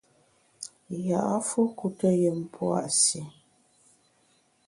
Ya’fu kuteyùm pua’ si.